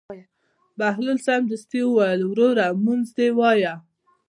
بهلول سمدستي وویل: وروره لمونځ دې ووایه.